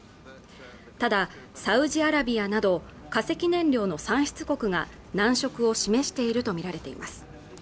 ただサウジアラビアなど化石燃料の産出国が難色を示していると見られています